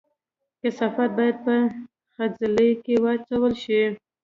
کثافات باید په خځلۍ کې واچول شي